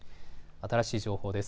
新しい情報です。